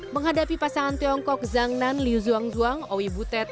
menghadapi pasangan tiongkok zhang nan liu zhuangzuang owi butet